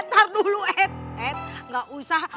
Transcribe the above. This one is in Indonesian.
streets dusun di sana